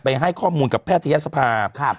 ให้ข้อมูลกับแพทยศภา